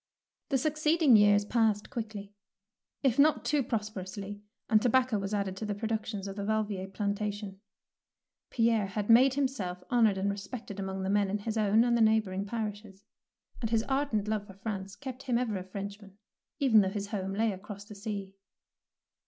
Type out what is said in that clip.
The succeeding years passed quickly, if not too prosperously, and tobacco was added to the productions of the Valvier plantation. Pierre had made himself honoured and respected among the men in his own and the neighbour ing parishes, and his ardent love for 175 DEEDS OF DAKING France kept him ever a Frenchman, even though his home lay across the sea.